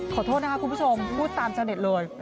ขอโทษนะคะคุณผู้ชมพูดตามเสน็ตเลย